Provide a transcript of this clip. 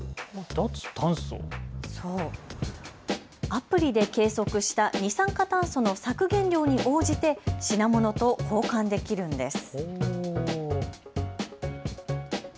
アプリで計測した二酸化炭素の削減量に応じて品物と交換できるんです。